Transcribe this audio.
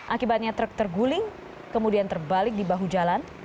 akibatnya truk terguling kemudian terbalik di bahu jalan